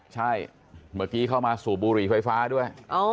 ใช่เมื่อกี้เข้ามาสูบบุหรี่ไฟฟ้าด้วย